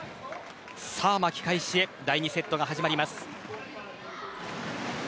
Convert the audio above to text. さあ巻き返しへ第２セットが始まります。